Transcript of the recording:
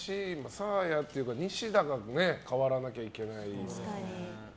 サーヤっていうかニシダが変わらなきゃいけないですね。